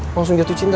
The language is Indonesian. langsung jatuh cinta